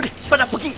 udah pada pergi